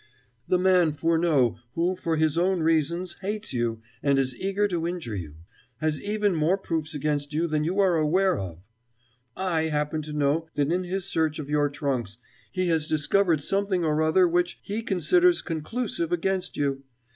The man Furneaux, who, for his own reasons, hates you, and is eager to injure you, has even more proofs against you than you are aware of. I happen to know that in his search of your trunks he has discovered something or other which he considers conclusive against you.